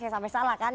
ya sampai salah kan